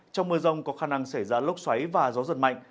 trong mưa rông có khả năng xảy ra lốc xoáy và gió giật mạnh